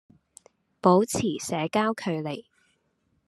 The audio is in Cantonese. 保持社交距離